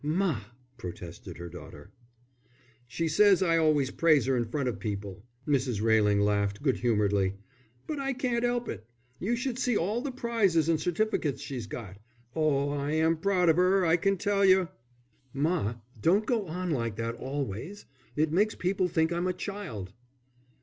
"Ma!" protested her daughter. "She says I always praise 'er in front of people," Mrs. Railing laughed good humouredly. "But I can't 'elp it. You should see all the prizes and certificates she's got. Oh, I am proud of 'er, I can tell you." "Ma, don't go on like that always. It makes people think I'm a child."